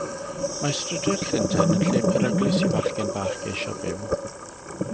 Mae strydoedd Llundain yn lle peryglus i fachgen bach geisio byw.